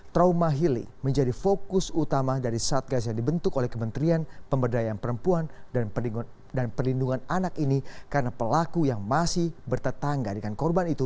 trauma healing menjadi fokus utama dari satgas yang dibentuk oleh kementerian pemberdayaan perempuan dan perlindungan anak ini karena pelaku yang masih bertetangga dengan korban itu